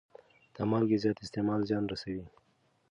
د مالګې زیات استعمال زیان رسوي.